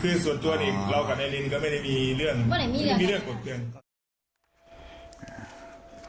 คือส่วนตัวนี้เรากับไอลินก็ไม่ได้มีเรื่องกดเกลือน